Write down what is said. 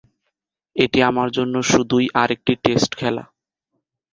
এটি আমার জন্য শুধুই আরেকটি টেস্ট খেলা’।